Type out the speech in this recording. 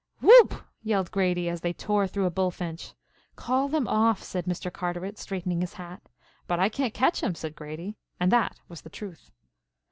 "Whoop!" yelled Grady, as they tore through a bullfinch. "Call them off," said Mr. Carteret, straightening his hat. "But I can't catch 'em," said Grady, and that was the truth.